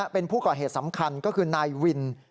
เป็นผู้ก่อเหตุสำคัญก็คือนายวิน